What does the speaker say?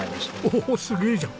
おおすげえじゃん！